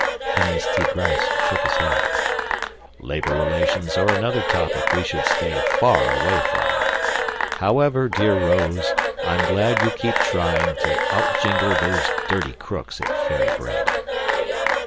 Phineas T. Gryce shook his head. "Labor relations are another topic we should stay far away from. However, dear Rose, I'm glad you keep trying to outjingle those dirty crooks at Fairy Bread."